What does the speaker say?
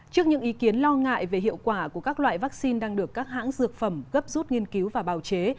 trước những ý kiến lo ngại về hiệu quả của các loại vaccine đang được các hãng dược phẩm gấp rút nghiên cứu và bào chế